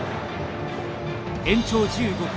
延長１５回。